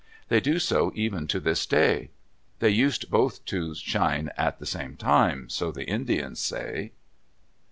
They do so even to this day. They used both to shine at the same time; so the Indians say.